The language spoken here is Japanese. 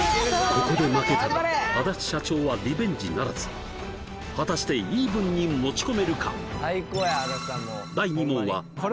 ここで負けたら安達社長はリベンジならず果たしてイーブンに持ち込めるか？